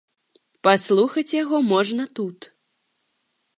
Паслухаць яго можна тут.